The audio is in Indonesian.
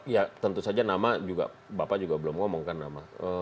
ya tentu saja nama juga bapak juga belum ngomongkan nama